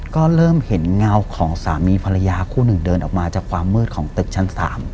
ก็เริ่มเห็นเงาของสามีภรรยาคู่หนึ่งเดินออกมาจากความมืดของตึกชั้น๓